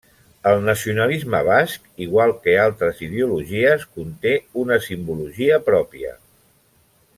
El nacionalisme basc, igual que altres ideologies, conté una simbologia pròpia.